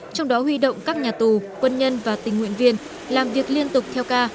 trong đó huy động các nhà tù quân nhân và tình nguyện viên làm việc liên tục theo ca